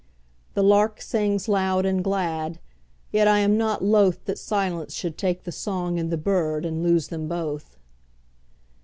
The lark sings loud and glad, Yet I am not lothThat silence should take the song and the birdAnd lose them both.